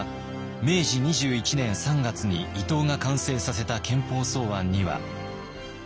明治２１年３月に伊藤が完成させた憲法草案には。